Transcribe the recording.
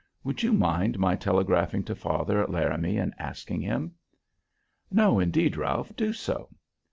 Would you mind my telegraphing to father at Laramie and asking him?" "No, indeed, Ralph. Do so."